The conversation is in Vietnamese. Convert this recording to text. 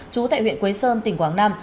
chú tại huyện quế sơn tỉnh quảng nam